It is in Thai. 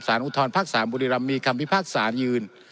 สารอุทธรพักษาบุรีรำมีคำพิพากษายืน